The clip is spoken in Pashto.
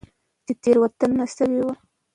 چې تيروتنه شوي وي